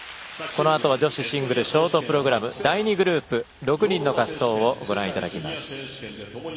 このあと女子シングルショートプログラム第２グループ６人の滑走をご覧いただきます。